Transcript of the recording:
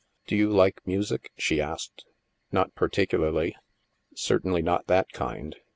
''^ Do you like music ?" she asked. " Not particularly. Certainly not that kind.